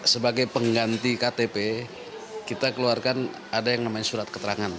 sebagai pengganti ktp kita keluarkan ada yang namanya surat keterangan